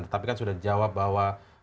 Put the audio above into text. tetapi kan sudah dijawab bahwa